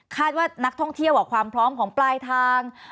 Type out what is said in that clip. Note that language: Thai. ว่านักท่องเที่ยวความพร้อมของปลายทาง